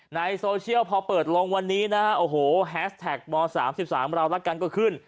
ในโซเชียลพอเปิดลงวันนี้นะฮะโอ้โหแฮสแท็กม๓๓เรารักกันก็ขึ้น